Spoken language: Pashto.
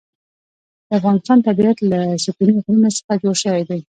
د افغانستان طبیعت له ستوني غرونه څخه جوړ شوی دی.